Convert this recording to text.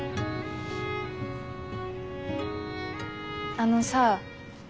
あのさ。